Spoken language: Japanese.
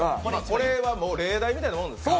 これはもう、例題みたいなもんです。